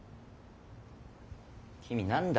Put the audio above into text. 君何だ？